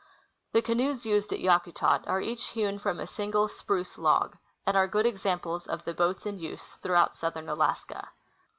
The canoes used at Yakutat are each hewn from a single spruce log, and are good exam^Dles of the boats in use throughout southern Alaska.